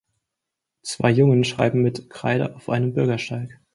Zwei Jungen schreiben mit Kreide auf einem Bürgersteig.